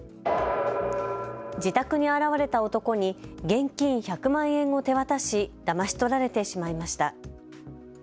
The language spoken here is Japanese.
自宅に現れた男に現金１００万円を手渡しだまし取られてしまいました。